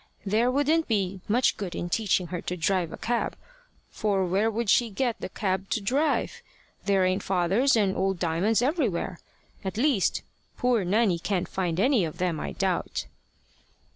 There wouldn't be much good in teaching her to drive a cab, for where would she get the cab to drive? There ain't fathers and old Diamonds everywhere. At least poor Nanny can't find any of them, I doubt."